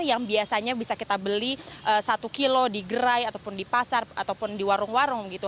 yang biasanya bisa kita beli satu kilo di gerai ataupun di pasar ataupun di warung warung gitu